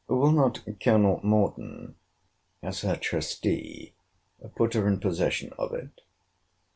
Will not Col. Morden, as her trustee, put her in possession of it?